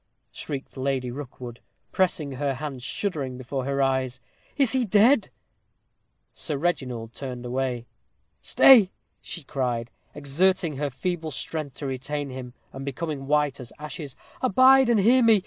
shrieked Lady Rookwood, pressing her hand shuddering before her eyes. "Is he dead?" Sir Reginald turned away. "Stay," she cried, exerting her feeble strength to retain him, and becoming white as ashes, "abide and hear me.